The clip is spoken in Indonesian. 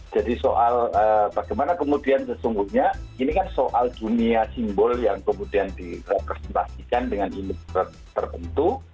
jadi soal bagaimana kemudian sesungguhnya ini kan soal dunia simbol yang kemudian direpresentasikan dengan imut tertentu